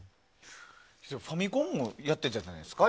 ファミコンもやってたじゃないですか。